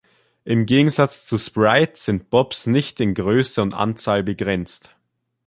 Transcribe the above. Im Gegensatz zu Sprites sind Bobs nicht in Größe und Anzahl begrenzt.